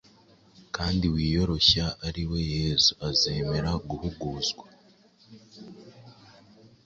kandi wiyoroshya ari we Yesu, azemera “guhuguzwa”